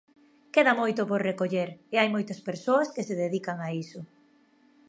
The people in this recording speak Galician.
Queda moito por recoller e hai moitas persoas que se dedican a iso.